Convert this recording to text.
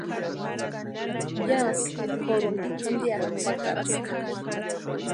Yásï kʼoruni jantiakʼu pakaraska.